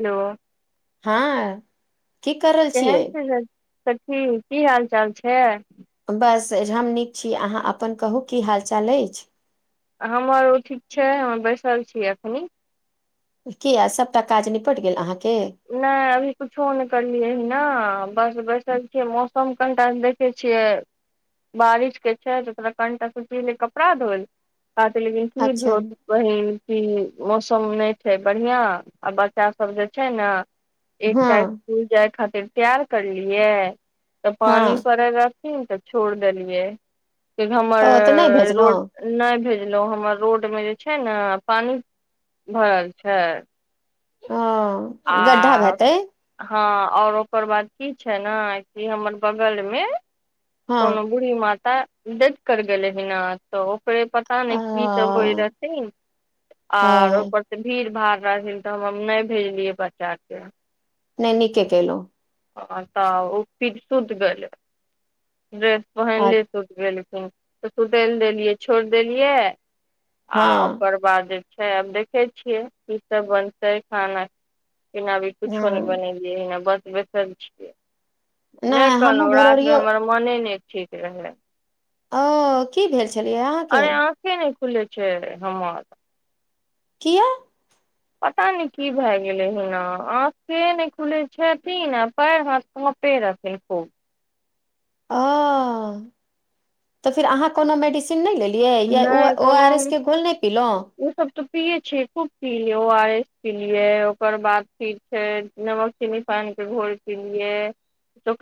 hello हँ की कर रहल के छियै छै सची की हाल चाल छै बस हम नीक छी अहाँ अपन कहू की हाल चाल अछि हमर ओ ठीक छै हम बैसल छी एखन किया सभटा काज निपटि गेल अहाँ के नहि अभी कुछो नहि करलियै ह ने बस बैसल छियै मौसम कनिटा देख देखै छियै बारिशके छै तऽ तोरा कनिटा सूच लै कपड़ा धोल कहते लेकिन की अच्छा भो वही की मौसम नहि छै बढ़िआं आ बच्चा सब जे छै ने एकटा हँ स्कूल जाय खातिर तैयार करलियै त हँ पानी पड़े र ठीक तऽ छोड़ि देलियै कि हमर ओ तऽ नहि भेजलहुँ रोड नहि भेजलहुँ हमर रोड मे जे छै ने पानि भरल छै हँ आ हँ ओर ओकर बाद की छै ने कि हमर बगल मे हँ कोनो बूढ़ी मात देथ कर गेलै हना तऽ ओकरे प पता आ नाइ की रहथिन आर ह ओपर भीड़ भाड़ रहथि तऽ हम नहि भेजलियै बच्चाक के नहि नीके केलो ह तऽ ओ फिर सुति गेलै ड्रेस पहिन ले तऽ सुखल देलियै छोड़ देलियै आ हँ ओकर बाद जे छै आब देखे छियै की सब बनतै खाना खाना अभी किछो नहि हँ बनेलियै हना बस बैसल छियै नहि हमहूँ कहलहुँ राति मे भोररिये हमर मोने नहि ठीक रहै ओ की भेल छलियै अहाँ के निन्द नइ खुल छै हमर किया पता नहि की भए गेलै हना आँख से नहि खुलै छथिन आ पेर हाथ रहथिन खूब ओ तऽ फिर अहाँ कोनो मेडिसिनन नहि लेलियै या नहि ओ कोनो आर एस के घोल नहि पीलहु ओ सब तऽ पिये छिय खूब पिय ओ आर एस प लियै ओकर बाद फिर फेर नमक चिनी पान के घोर किनलिये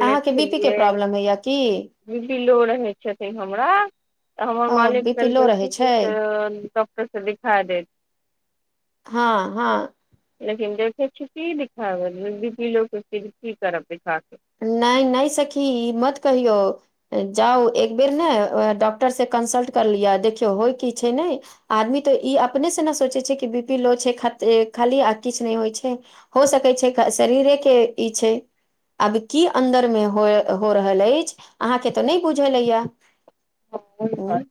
अहाँ के बी पी के प्रॉब्लम होइए की बि पी लो रहैत छथिन हमरा तऽ हमर ओ मालिक बी पी लो कहलकै रहै कि छै से दोक्टर से दिखा देत हँ हँ लखिम देव छुटी दिा लोकीज की करब दा के नहि नहि सखी ई मत कहियौ जाउ एक बेर ने डॉक्टर से कंसल्ट करलियै देखियौ होय की छै नहि आदमी तऽ ई अपने से ने सोचै छै कि बी पी लो छै ख खाली आ किछु नहि होइ छै हो सकै छै शरीरे के ई छै आब की अन्दर मे हो हो रहल अछि अहाँ के तऽ नहि बुझल अइया हँ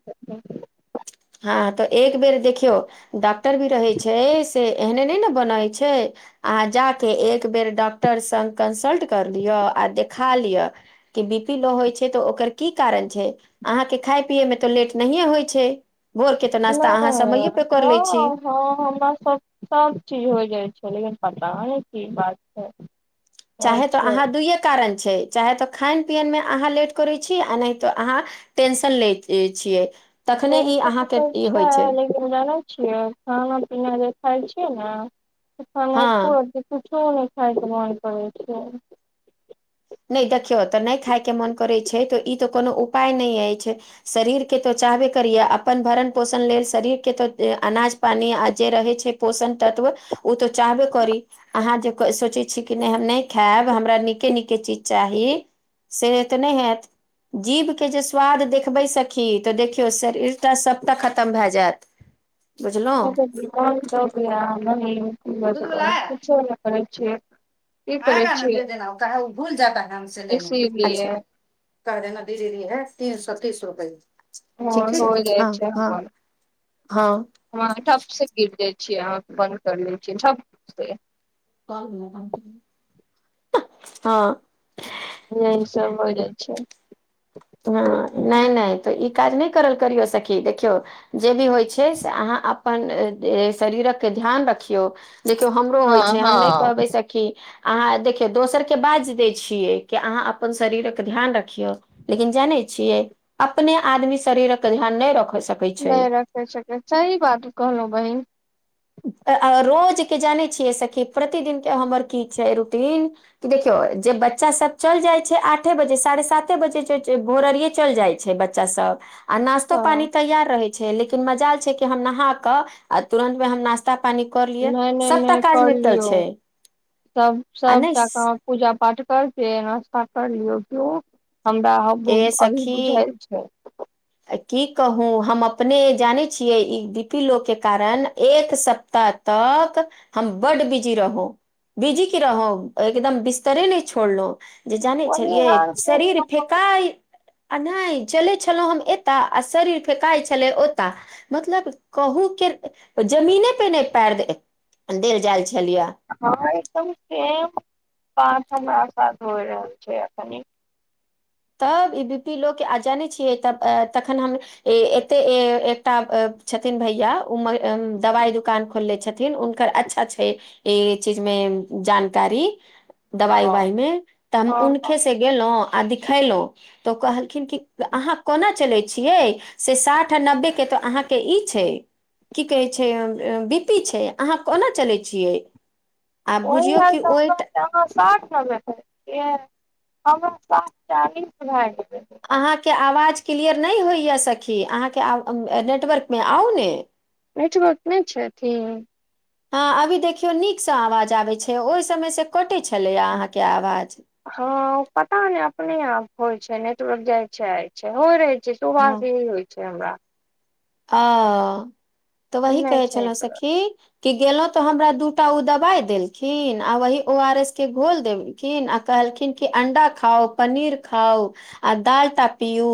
हँ तऽ एक बेर देखियौ डाक्टर भी रहै छै से एहने नय ने बनै छै अहाँ जा कऽ एक बेर डॉक्टर संग कंसल्ट कर लिअ आ देखा लिअ के बी पी लो होय छै तो ओकर की कारण छै अहां के खाय पिये मे तो लेट नये होय छै ठिक भोर के तऽ नास्ता अहाँ हँ समय पे कर लै छी हँ हमरा सब सब चीज हो जाइ छलै लेकिन पता नय की बात छै चाहे तऽ अच्छा अहाँ दुइए कारण छै चाहे तऽ खायन पियनमे अहाँ लेट करै छी आ नय तऽ अहाँ टेंशन लेत छियै तखने ई टेंशन अहाँके तऽ ई होइ छै जानै छियै खाना पीना जे खााय छियै ने खाना हँ एको रत्ती कुछो नय खाय के मोन करय छै नय देखियौतऽ नय खायके मोन करैत छै तऽ ई तऽ कोनो उपाय नय अछि शरीर के तो चाहबे करियै अपन भरण पोषण लेल शरीर के तो अनाज पानि आ जे रहे छै पोषण तत्व ओ तो चाहबे करी अहाँ जे सोचै छी कि नय हम नय खायब हमरा नीके नीक के चीज चाही से तऽ नहि हयैत जीभ के जे स्वाद देखबे सखी तऽ देखियौ शरीर तऽ सबटा खतम भए जायत [inaudible] न बुझलहुँ त म ब [unintelligible] करै पूछो करै छै आएगा ने दे देना कह ओ भूल जाता ह हमसे लेने मे इसीलिए अच्छा कह देना दीदी दी है तीन सए तीस रुपए हो ठीक छै हो जाइ हँ हँ हँ हमह ठप से गिर जाइ छियै अहाँ बंन्द कर ले छियै ठप से हँ नय सब हो जाय छै हँ नय नय तऽ ई काज नय करल करियौ सखी देखियौ जे भी होइ छै से अहाँ अपन शरीरक के ध्यान रखियौ देखियौ हमरो हँ होइ छै हम नय हँ कहबै सखी अहाँ देखियौ दोसर के बाईज दै छियै कि अहाँ अपन शरीरक के ध्यान रखियौ लेकिन जानै छियै अपने आदमी शरीरक ध्यान नय रख सकै छै नय रखे सकै सही बात कहलऊ बहिन अ आ रोज के जानै छियै सखी प्रतिदिन के हमर की छै रूटीन देखियौ जे बच्चा सब चल जाइ छै आठे बजे साढ़े साते बजे ड्युटी भोरहरिये चल जाइ छै बच्चा बच्चा सब आ नाश्तो हँ पानी तैयार रहे छै लेकिन मजाल छै के हम नहााक आ तुरंत मे हम नाास्त नास्ता पानी कर लिय नहि नहि सबटा नहि काज कर निपटल लियौ छै सब आ नय सबटा काम पूजा पाठ कर के नाास्ता कर लियऔ केयो हमरा अभी बुझाल छै आय की कहू हम अपने जानै छियै ई बी पी लो के कारण एक सप्ताह तक हम बड्ड बिजी रहूँ बीजी की रहो एकदम बिस्तरे नय छोड़लौ जे जाने वही छलियै हाल छै शरीर हमर फेकाय आ नय चले छलो हम एताऽ आ शरीर फेकाय छले ओताऽ मतलब कहू केर जमीने पे नय पैर देल जाइल छलियए हँ एकदम सेम बात हमरा साथ होइ रहल छै अखनि तब ई बी पी लो के आ जानै छियै तब तखन हम ए एते ए एकटा छथिन भैया उ दवाइ दुकान खोलले छथिन हुनकर अच्छा छै ई चीज मे जानकारी दबाइ अहाँ उवाइ मे तऽ हम हुनकेसँ गेलहुँ आ दिखेलहुँ तऽ ओ कहलखिन कि अहाँ कोना चलै छियै से साठ आ नब्बेके तऽ अहाँके ई छै की कहै छै बी पी छै अहाँ कोना चलै छियै आ ओहि बुझियौ लेल कि तऽ ओहि हमरा तऽ ह साठ नबे छियै हमरा साठ चालीस भए गेलै अहाँके आवाज क्लियर नहि होइए सखी अहाँके नेटवर्कमे आउ ने नेटवर्क नहि छथि हँ अभी देखियौ नीकसँ आवाज आबैत छै ओहि समय से कटैत छलैए अहाँके आवाज हँ पता नैय अपने आप होइ छै नेटवर्क जाय छै आ छै हो रहै जे दू बर से ईहे होइ छै हमरा ओ तऽ वही नहि कहै छै छलहु नेटवर्क सखी की गेलौ त हमरा त दूटा ओ दवाई देलखिन आ वही ओ आर एस के घोल देेल खिन आ कहलखिन कि अण्डा खाउ पनीर खाउ आ दालटा पियू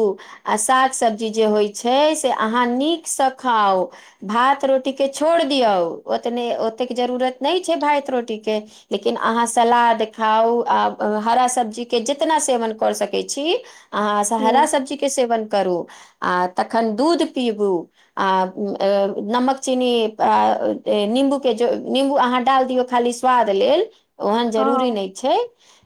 आ साग सब्जी जे होइ छै से अहाँ अहाँ नीकसँ खाउ भात रोटीकेँ छोड़ि दियौ ओतने ओतेक जरूरत नहि छै भात रोटीके लेकिन अहाँ सलाद खाउ आ हरा सब्जीके जितना सेवन करऽ सकै छी अहाँसँ हूँ हरा सब्जीके सेवन करू आ तखन दूध पीबू आ ऊ अ नमक चीनी आ ऊ निम्बूके निम्बू अहाँ डाल दियौ खाली स्वाद लेल ओहेन हँ जरूरी नय छै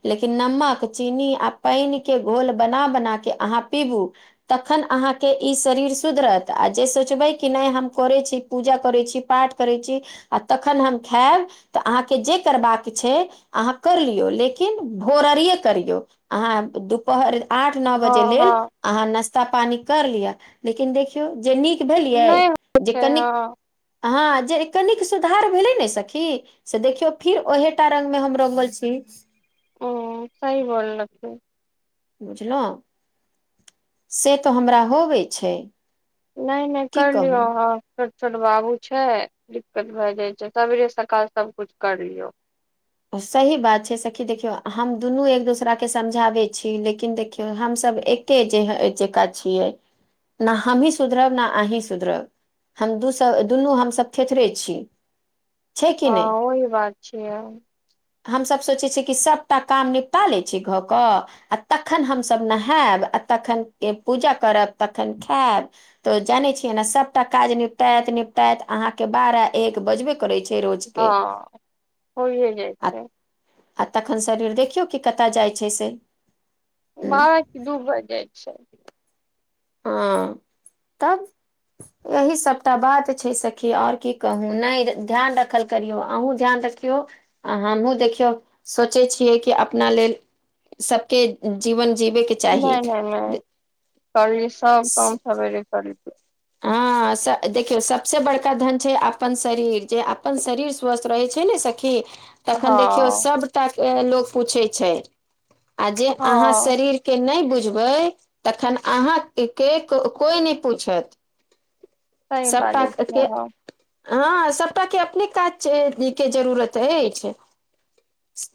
लेकिन नमक चीनी आ पानि के घोल बना बनाके अहाँ पीबू तखन अहाँके ई शरीर सुधरत तऽ आ जे सोचबै कि नहि हम करैत छी पूजा करै छी पाठ करैत छी आ तखन हम खैब तऽ अहाँके जे करबाक छै अहाँ कर लियौ लेकिन भोरहरिये करियौ आहाँ दुप हर आठ नौ बजे हँ लेल हँ आहाँ नास्ता पानि कैर लिया लेकिन देखियौ जे नीक भेलियै नहि होइ जे छै हँ कनिक हँ जे कनिक सुधार भेलै ने सखी से देखियौ फिर ओहेटा रंगमे हम रंगल छी ओ सही बोल लकै बुझलौं से तऽ हमरा होबे छै नहि नहि की कर कहू लियौ ह छोट छोट बाबू छै दिक्कत भए जाय छै सबेरे सकाल सब कुछ कर लियौ सही बात छै सखि देखियौ हम दुनू एक दोसराके समझाबै छी लेकिन देखियौ हमसभ एक के जे जे का छियै न हमही सुधरब ने अहीं सुधरब हम दू सब दुनू हमसभ थेथरे छी छै कि हँ नहि ओही बात छियै हमसभ सोचै छियै कि सभटा काम निपटा लै छी घऽ कऽ आ तखन हमसभ नहायब आ तखन पूजा करब तखन खायब तऽ जानै छियै ने सभटा काज निपतात निपटात अहाँके बारह एक बजबे करै छै रोज हँ होइए जाइ आ छै आ तखन शरीर देखियौ कि कतय जाइत छै से हूँ, बारह की दू बाजि जाइत छै हँ तब एहि सभटा बात छै सखी आओर की कहू नहि ध्यान रखल करियौ अहूँ ध्यान रखियौ आ हमहुँ देखियौ सोचै छियै कि अपना लेल सबके जीवन जीबेके नहि नहि नहि करलिय सब काम सवेरे करलियै हँ देखियौ सबसँ बड़का धन छै अपन शरीर जे अपन शरीर स्वस्थ रहै छै ने सखी तखन देखियो हँ सबटा के लोग पूछे छै आ जे अहाँ हँ शरीर के नहि बुझबै तखन अहाँ के कोइ नहि पूछत सही सबटा बाजै छियै केऽ अहाँ हँ सभटा अपने काज के जरूरत अछि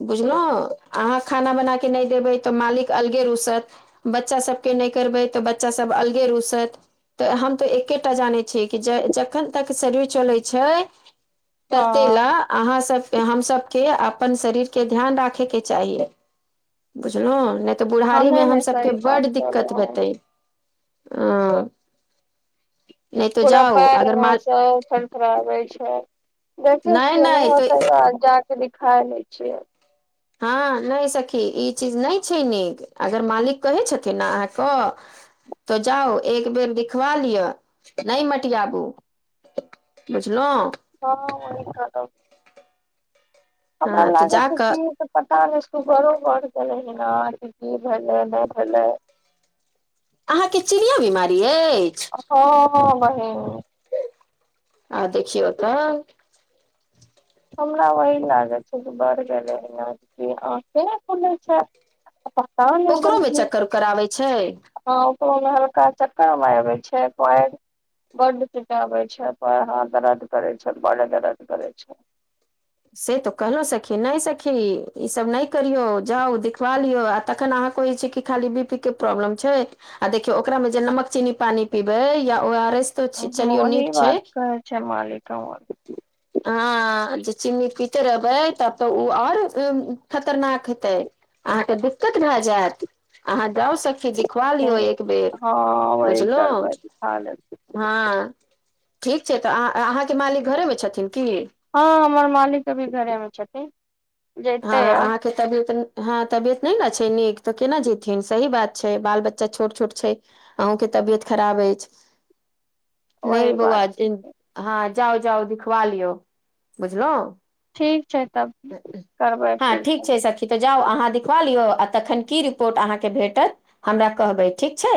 बुझलहु अहाँ खाना बना के नहि देबै तऽ मालिक अलगे रुसत बच्चा सबके नहि करबै तऽ बच्चा सब अलगे रुसत तऽ हम तो एकेटा जाने छै कि जखन तक शरीर चले छै तते ला हँ अहाँ सभके हमसभके अपन शरीरके ध्यान राखेके चाहि बुझलहुँ नहि तऽ हँ नहि बुढ़ारीमे नहि सही हमसभके बात बड्ड दिक्कत कहलौं हन हेतै हॅं पूरा पैर अगर वहाँ माल सब फड़ फड़ाबे छै देखै छियै नहि होतै तऽ जाक दिखा लै छियै हँ नहि सखी ई चीज नहि छै नीक अगर मालिक कहै छथिन ने अहाँके तो जाउ एक बेर दिखवा लिअ नहि मटियाबु बुझलहु हँ ओहि [unintelligible] खम हमरा हँ तऽ लागै जा छै कऽ कि पता नेहि बरो बर गेलै ह की की भेले नहि भेलै [inaudible] अहाँके चिनियां बीमारी अछि हँ हँ बहिन आ देखिओ तऽ हमरा वही लागै छै जे बढ़ गेलै है अह केना खुलै छै पता नहि लग ओकरोमे की चक्कर उक्कर आबै छै [unintelligible] हँ ओकरो हल्का चक्कर आबै छै पर बड चटाबै छै हाथ दरद करै छ बड़ दरद करै छै से तऽ कहलहुँ सखी नहि सखी ईसभ नहि करियौ जाउ देखिखवा लियौ आ तखन अहाँके छै कि खाली बी पी के प्रॉब्लम छै आ देखियौ ओकरा मे जे नमक चीनी पानी पीबै या ओ आर एस तऽ चलियौ वही नीक छै बात कहै छै मालिक हमर हॅं जे चीन्नी पीते रहबै तब तऽ ओ आओर खतरनाक हेतै अहाँके दिक्कत भए जायत अहाँ जाउ सखि जी दिखवा लियौ एक बेर हँ वही बुझलहु करबै दिखा लेब हँ ठीक छै तऽ अहाँके मालिक घरेमे छथिन की हँ हमर मालिक अभी घरे मे छथिन हँ जैते आ अहाँ तबियत हँ तबियत नहि ने छै नीक तऽ केना जेथिन सही बात छै बाल बच्चा छोट छोट छै अहूँके तबियत खराब अछि [inaudible] नहि बौआ बात छै हँ जाउ जाउ दिखवा लियौ बुझलौं ठीक छै तब करबै हँ फेर ठीक फोन छै सखी तऽ जाउ अहाँ दिखवा लियौ आ तखन की रिपोर्ट अहाँ के भेटत हमरा कहबे ठीक छै